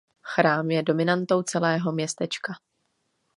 Chrám je dominantou celého městečka.